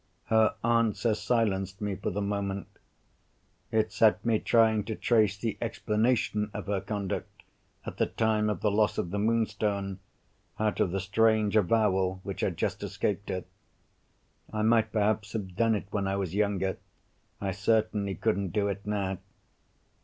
Her answer silenced me for the moment. It set me trying to trace the explanation of her conduct, at the time of the loss of the Moonstone, out of the strange avowal which had just escaped her. I might perhaps have done it when I was younger. I certainly couldn't do it now.